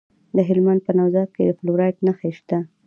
د هلمند په نوزاد کې د فلورایټ نښې شته.